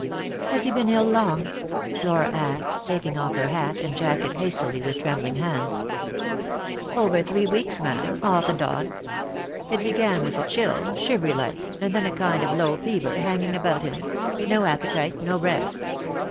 " Has he been ill long ?" Flora asked, taking off her hat and jacket hastily with trembling hands. " Over three weeks, ma'am, off and on. It began with a chill, shivery like, and then a kind of low fever hanging about him — no appetite, no rest.